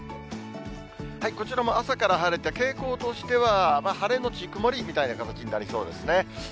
こちらも朝から晴れて傾向としては、晴れ後曇りみたいな形になりそうですね。